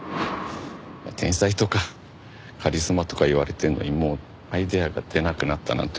天才とかカリスマとか言われてるのにもうアイデアが出なくなったなんて